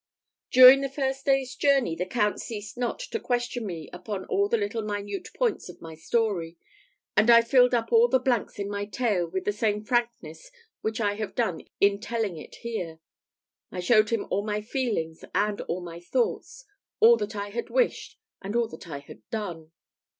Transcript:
During our first day's journey, the Count ceased not to question me upon all the little minute points of my story, and I filled up all the blanks in my tale with the same frankness which I have done in telling it here. I showed him all my feelings, and all my thoughts all that I had wished, and all that I had done.